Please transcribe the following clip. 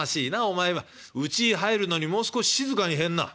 うちに入るのにもう少し静かに入んな。